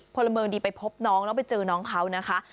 พลเมืองดีไปพบน้องแล้วไปเจอน้องเขานะคะ